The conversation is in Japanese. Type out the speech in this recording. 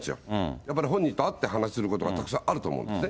やっぱり本人と会ってお話しすることがたくさんあると思うんですね。